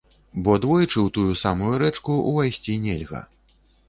Бо двойчы ў тую самую рэчку ўвайсці нельга.